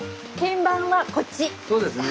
そうですね。